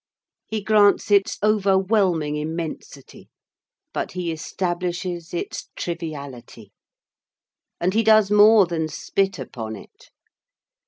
He grants its overwhelming immensity, but he establishes its triviality; and he does more than spit upon it.